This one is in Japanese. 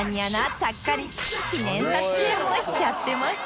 ちゃっかり記念撮影もしちゃってました